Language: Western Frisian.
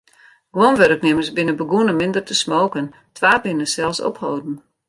Guon wurknimmers binne begûn om minder te smoken, twa binne sels opholden.